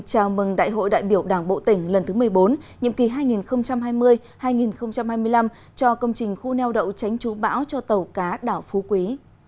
chào mừng đại hội đại biểu đảng bộ tỉnh lần thứ một mươi bốn nhiệm kỳ hai nghìn hai mươi hai nghìn hai mươi năm cho công trình khu neo đậu tránh chú bão cho tàu cá đảo phú quý